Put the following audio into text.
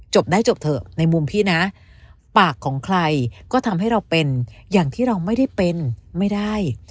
ได้จบเถอะในมุมพี่นะปากของใครก็ทำให้เราเป็นอย่างที่เราไม่ได้เป็นไม่ได้